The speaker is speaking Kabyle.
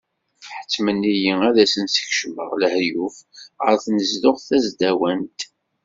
Ḥettmen-iyi ad asen-sekcameɣ lahyuf ɣer tnezduɣt tasdawant.